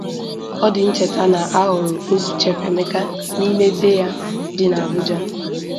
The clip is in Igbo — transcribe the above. Ọ dị ncheta na a hụrụ ozu Chef Emeka n'ime be ya dị n'Abuja